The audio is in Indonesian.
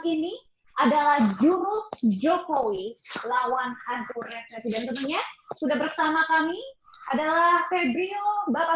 ini adalah jurus jokowi lawan hantu residen tentunya sudah bersama kami adalah febrio bapak